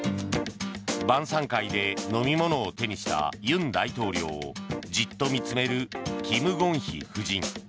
晩さん会で飲み物を手にした尹大統領をじっと見つめるキム・ゴンヒ夫人。